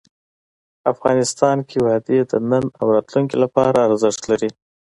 افغانستان کې وادي د نن او راتلونکي لپاره ارزښت لري.